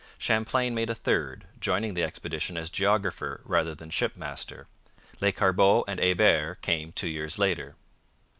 Champlain made a third, joining the expedition as geographer rather than shipmaster. Lescarbot and Hebert came two years later.